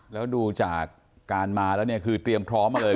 แล้วดูจากการมาแล้วเนี่ยคือเตรียมพร้อมมาเลย